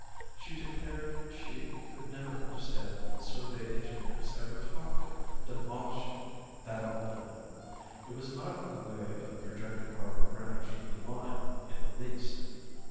She declared she could never understand why the survey engineers ever talked of demolishing that old building. It was not in the way of the projected harbour branch of the line in the least.